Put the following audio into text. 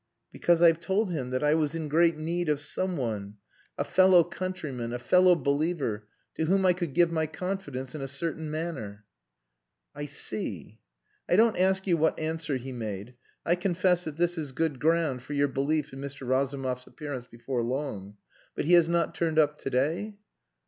"Because I've told him that I was in great need of some one, a fellow countryman, a fellow believer, to whom I could give my confidence in a certain matter." "I see. I don't ask you what answer he made. I confess that this is good ground for your belief in Mr. Razumov's appearance before long. But he has not turned up to day?"